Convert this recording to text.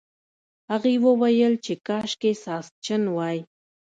هغې وویل چې کاشکې ساسچن وای.